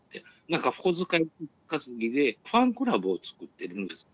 なんか小遣い稼ぎでファンクラブを作ってるんです。